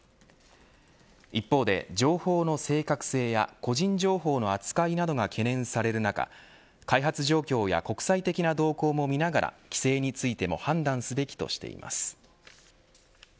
一方で情報の正確性や個人情報の扱いなどが懸念される中開発状況や国際的な動向も見ながら規制についても判断すべきとしています。